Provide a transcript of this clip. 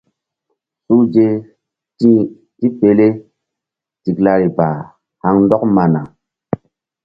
Suhze ti tipele tiklari ba haŋ ndɔk mana.